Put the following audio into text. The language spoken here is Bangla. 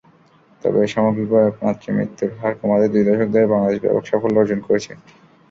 তবে সামগ্রিকভাবে মাতৃমৃত্যুর হার কমাতে দুই দশক ধরে বাংলাদেশ ব্যাপক সাফল্য অর্জন করেছে।